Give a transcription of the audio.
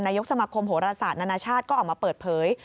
ยกสมาคมโหรศาสตร์นานาชาติก็ออกมาเปิดเผย